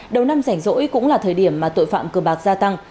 đầu năm rảnh rỗi cũng là thời điểm mà tội phạm cờ bạc gia tăng